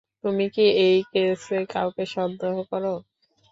তুমি কি এই কেসে কাউকে সন্দেহ করো?